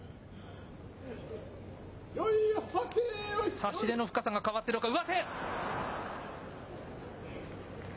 差しでの深さが変わって、上手。